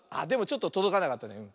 でもちょっととどかなかったね。